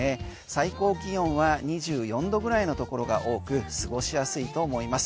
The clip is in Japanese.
最高気温は２４度ぐらいのところが多く過ごしやすいと思います。